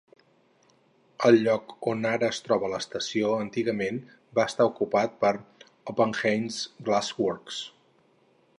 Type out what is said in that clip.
Ell lloc on ara es troba l'estació antigament va estar ocupat per Oppenheims Glassworks.